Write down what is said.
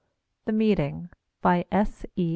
THE MEETING BY S. E.